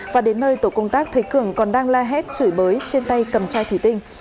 và đến nơi tổ công tác thấy cường còn đang la hét chửi bới trên tay cầm chai thủy tinh